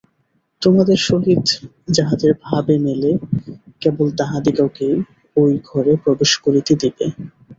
তোমাদের সহিত যাহাদের ভাবে মেলে, কেবল তাহাদিগকেই ঐ ঘরে প্রবেশ করিতে দিবে।